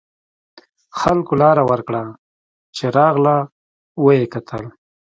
خلکو لار ورکړه چې راغله و یې کتل.